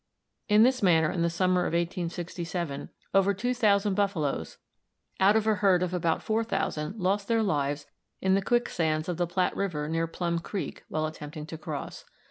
In this manner, in the summer of 1867, over two thousand buffaloes, out of a herd of about four thousand, lost their lives in the quicksands of the Platte River, near Plum Creek, while attempting to cross.